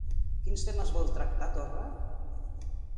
Quins temes vol tractar Torra?